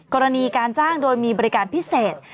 กรณีการจ้างโดยมีบริการพิเศษ